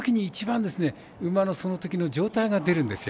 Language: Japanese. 馬のそのときの状態が出るんですよ。